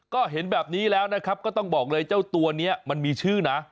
ก็เห็นแบบนี้แล้วนะครับก็ต้องบอกเลยเจ้าตัวนี้มันมีชื่อนะ